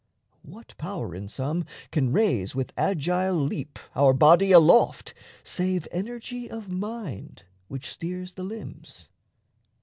What power, in sum, Can raise with agile leap our body aloft, Save energy of mind which steers the limbs?